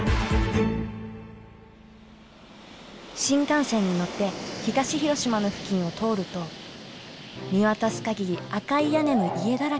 新幹線に乗って東広島の付近を通ると見渡す限り赤い屋根の家だらけ。